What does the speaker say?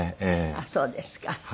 あっそうですか。